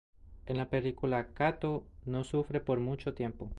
En la película, Cato no sufre por mucho tiempo.